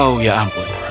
oh ya ampun